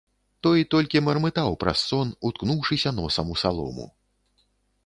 Той толькі мармытаў праз сон, уткнуўшыся носам у салому.